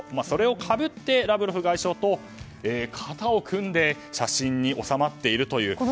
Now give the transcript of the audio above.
それをかぶってラブロフ外相と肩を組んで写真に収まっているという。